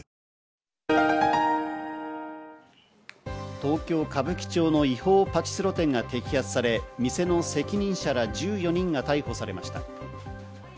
東京・歌舞伎町の違法パチスロ店が摘発され、店の責任者ら１４人が逮捕されました。